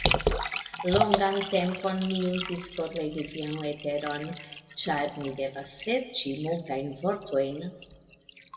Longan tempon mi uzis por legi vian leteron, ĉar mi devas serĉi multajn vortojn.